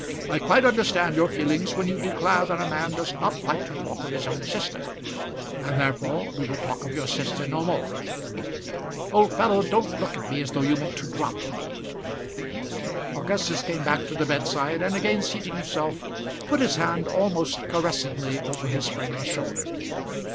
I quite understand your feelings when you declare that a man does not like to talk of his own sister, and therefore we will talk of your sister no more. Old fellow, don't look at me as though you meant to drop me." Augustus came back to the bedside, and again seating himself, put his hand almost caressingly over his friend's shoulder.